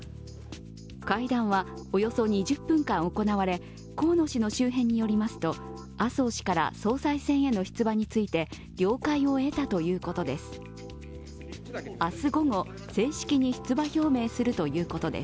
会談はおよそ２０分間行われ、河野氏の周辺によりますと麻生氏から総裁選への出馬について了解を得たということです。